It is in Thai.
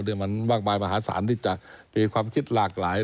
มันมากมายมหาศาลที่จะมีความคิดหลากหลาย